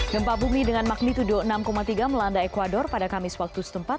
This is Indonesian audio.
gempa bumi dengan magnitudo enam tiga melanda ecuador pada kamis waktu setempat